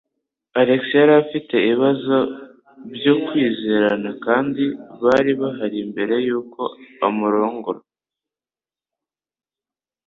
Alex yari afite ibibazo byo kwizerana, kandi bari bahari mbere yuko amurongora.